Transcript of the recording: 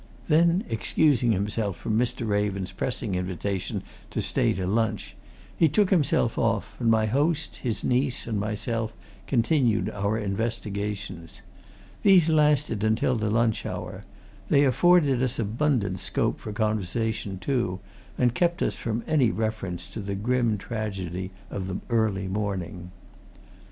Then, excusing himself from Mr. Raven's pressing invitation to stay to lunch, he took himself off, and my host, his niece, and myself continued our investigations. These lasted until the lunch hour they afforded us abundant scope for conversation, too, and kept us from any reference to the grim tragedy of the early morning.